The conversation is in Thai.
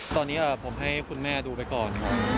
ตอนนี้ผมให้คุณแม่ดูไปก่อนครับ